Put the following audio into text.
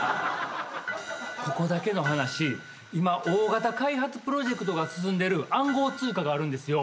ここだけの話今大型開発プロジェクトが進んでる暗号通貨があるんですよ。